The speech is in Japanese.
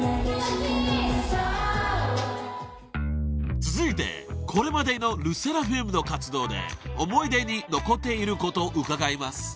［続いてこれまでのＬＥＳＳＥＲＡＦＩＭの活動で思い出に残っていることを伺います］